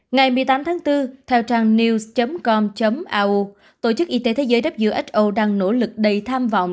ngày một mươi tám tháng bốn theo trang news com au tổ chức y tế thế giới who đang nỗ lực đầy tham vọng